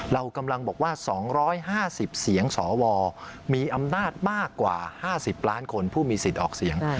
เรากำลังบอกว่า๒๕๐เสียงสวมีอำนาจมากกว่า๕๐ล้านคนผู้มีสิทธิ์ออกเสียง